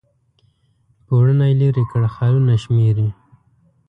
پوړونی لیري کړ خالونه شمیري